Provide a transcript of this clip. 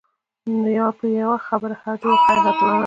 نو په یوه خبره هر جوړښت غیر عادلانه دی.